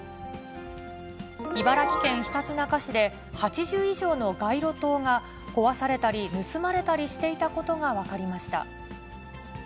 茨城県ひたちなか市で、８０以上の街路灯が、壊されたり、盗まれたりしていたことが分かりました。